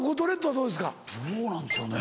どうなんでしょうね？